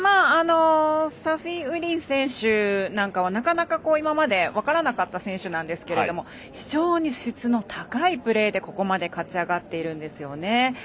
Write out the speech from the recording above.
サフィウリン選手なんかはなかなか今まで分からなかった選手なんですが非常に質の高いプレーでここまで勝ち上がっていますね。